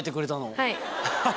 はい。